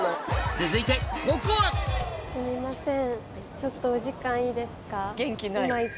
続いてすみません。